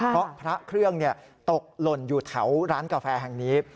เพราะพระเครื่องตกหล่นอยู่แถวร้านกาแฟแห่งนี้